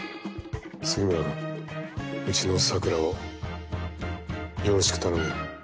杉村君うちの咲良をよろしく頼むよ。